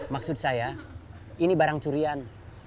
maksud saya ini barang curian